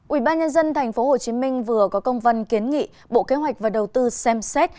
ủy ban nhân dân tp hcm vừa có công văn kiến nghị bộ kế hoạch và đầu tư xem xét